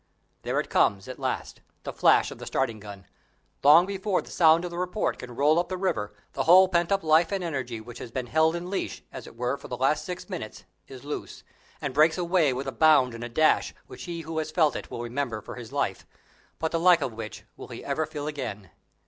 There it comes, at last the flash of the starting gun. Long before the sound of the report can roll up the river, the whole pent up life and energy which has been held in leash, as it were, for the last six minutes, is loose, and breaks away with a bound and a dash which he who has felt it will remember for his life, but the like of which, will he ever feel again?